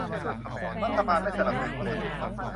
รัฐบาลไม่สนับสนุนวัสดุ